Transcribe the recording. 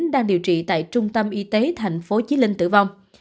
đang điều trị tại trung tâm y tế tp hcm tử vong